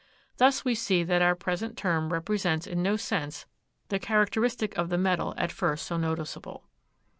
Thus we see that our present term represents in no sense the characteristic of the metal at first so noticeable.